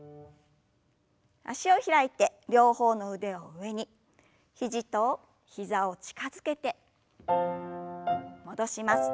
脚を開いて両方の腕を上に肘と膝を近づけて戻します。